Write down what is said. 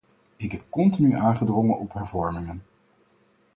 Ik heb continu aangedrongen op hervormingen.